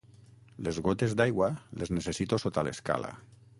Les gotes d'aigua, les necessito sota l'escala.